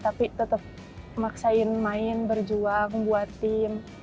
tapi tetap maksain main berjuang buat tim